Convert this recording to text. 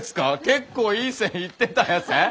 結構いい線いってたヤセー。